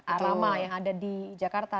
arama yang ada di jakarta